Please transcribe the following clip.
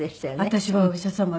私はお医者様。